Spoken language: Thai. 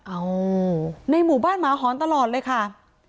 เอาในหมู่บ้านหมาหอนตลอดเลยค่ะ